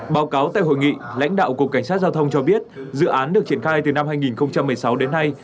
báo cáo tại hội nghị lãnh đạo cục cảnh sát giao thông cho biết dự án được triển khai từ năm hai nghìn một mươi sáu đến nay